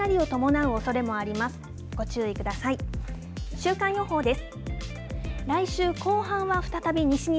週間予報です。